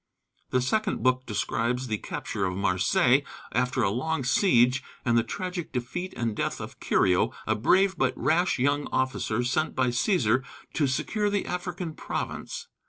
The second book describes the capture of Marseilles after a long siege, and the tragic defeat and death of Curio, a brave but rash young officer sent by Cæsar to secure the African province.